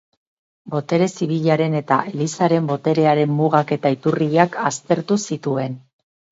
Botere zibilaren eta Elizaren boterearen mugak eta iturriak aztertu zituen.